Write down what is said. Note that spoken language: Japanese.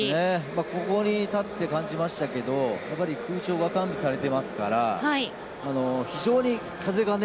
ここに立って感じましたけどやっぱり空調が完備されていますから非常に風がね